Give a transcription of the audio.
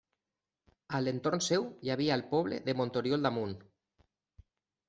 A l'entorn seu hi havia el poble de Montoriol d'Amunt.